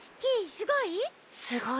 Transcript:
すごいね。